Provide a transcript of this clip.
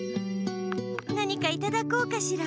なにかいただこうかしら？